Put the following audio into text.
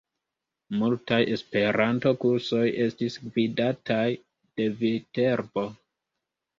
Multaj esperanto-kursoj estis gvidataj de Viterbo.